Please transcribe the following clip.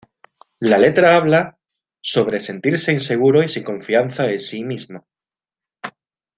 La letra habla sobre sentirse inseguro y sin confianza en sí mismo.